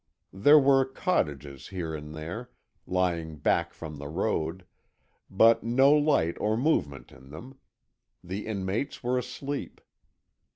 There were cottages here and there, lying back from the road, but no light or movement in them; the inmates were asleep.